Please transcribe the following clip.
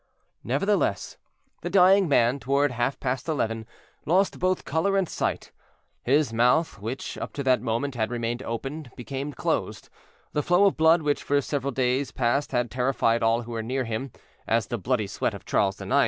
Nevertheless, the dying man, toward half past eleven, lost both color and sight; his mouth, which, up to that moment, had remained open, became closed; the flow of blood which for several days past had terrified all who were near him, as the bloody sweat of Charles IX.